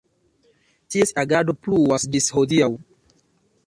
Ties agado pluas ĝis hodiaŭ.